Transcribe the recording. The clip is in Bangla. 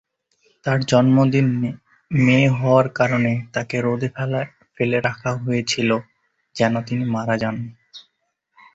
তাঁর জন্মের দিন, মেয়ে হওয়ার কারণে তাঁকে রোদে ফেলে রাখা হয়েছিল যেন তিনি মারা যান।